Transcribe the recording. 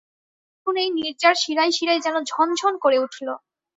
শুনেই নীরজার শিরায় শিরায় যেন ঝন ঝন করে উঠল।